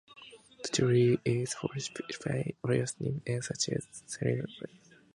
The deity is worshipped by various names such as Senthilandavan, Senthilkumar, and so on.